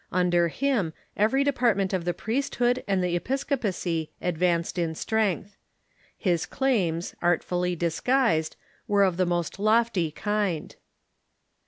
Under him every department of the priesthood and the episcopacy advanced in strength. His claims, artfully disguised, were of the most lofty kind.